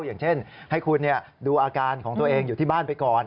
อย่างเช่นให้คุณดูอาการของตัวเองอยู่ที่บ้านไปก่อน